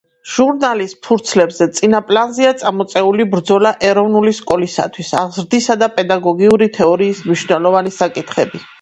ჟურნალის ფურცლებზე წინა პლანზეა წამოწეული ბრძოლა ეროვნული სკოლისათვის, აღზრდისა და პედაგოგიური თეორიის მნიშვნელოვანი საკითხები.